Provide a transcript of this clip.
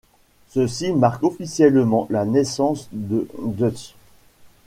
Ceci marque officiellement la naissance de Dustz.